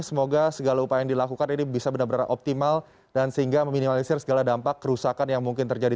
semoga segala upaya yang dilakukan ini bisa benar benar optimal dan sehingga meminimalisir segala dampak kerusakan yang mungkin terjadi